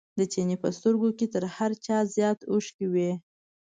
د چیني په سترګو کې تر هر چا زیات اوښکې وې.